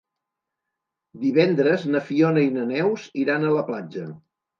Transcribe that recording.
Divendres na Fiona i na Neus iran a la platja.